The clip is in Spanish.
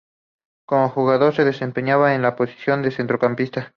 Como jugador, se desempeñaba en la posición de centrocampista.